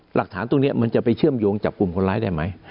หลักฐานตรงนี้มันจะไปเชื่อมโยงจับกลุ่มคนร้ายได้ไหม